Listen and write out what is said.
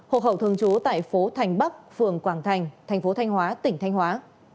hộ hậu thường trú tại phố thành bắc phường quảng thành tp thanh hóa tỉnh thanh hóa